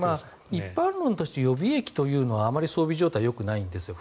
一般論として予備役というのはあまり装備状態がよくないんですよ。